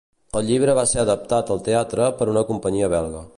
El llibre va ser adaptat al teatre per una companyia belga.